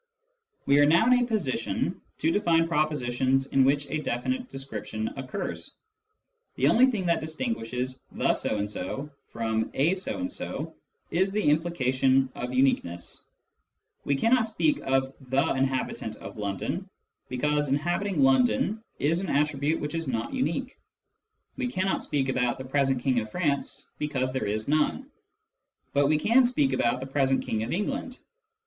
We are now in a position to define propositions in which a definite description occurs. The only thing that distinguishes ." the so and so " from " a so and so " is the implication of uniqueness. We cannot speak of " the inhabitant of London," because inhabiting London is an attribute which is not unique. We cannot speak about " the present King of France," because there is none ; but we can speak about " the present King of England."